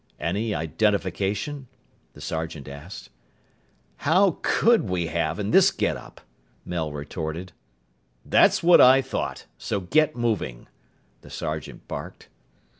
"Any identification?" the sergeant asked. "How could we have in this getup?" Mel retorted. "That's what I thought. So get moving," the sergeant barked.